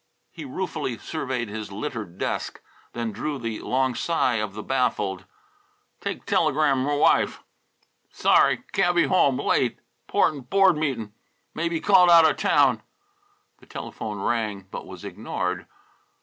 He ruefully surveyed his littered desk, then drew the long sigh of the baffled. "Take telegram m' wife. Sorry can't be home late, 'port'n board meet'n'. May be called out of town." The telephone rang, but was ignored.